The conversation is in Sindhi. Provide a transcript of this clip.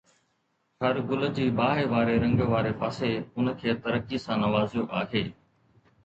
هر گل جي باهه واري رنگ واري پاسي ان کي ترقي سان نوازيو آهي